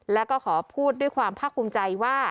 และก็ขอพูดด้วยความพรรคกลุ้มใจว่า